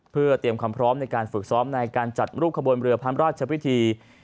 เพื่อเตรียมความพร้อมในการฝึกซ้อมในการจัดรูปขบวนเรือพระราชพิธี